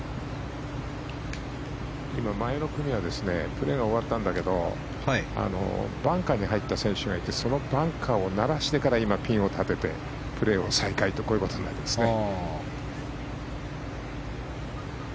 前の組はプレーが終わったんだけどバンカーに入った選手がいてそのバンカーをならしてから今、ピンを立ててプレーを再開ということになりますね。